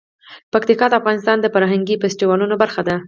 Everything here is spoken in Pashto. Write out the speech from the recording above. پکتیکا د افغانستان د فرهنګي فستیوالونو برخه ده.